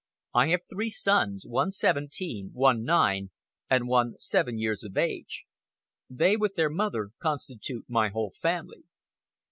I have three sons, one seventeen, one nine, and one seven years of age. They, with their mother, constitute my whole family.